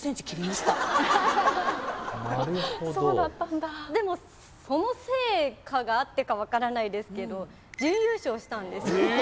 なるほどそうだったんだでもその成果があってか分からないですけど準優勝したんですよ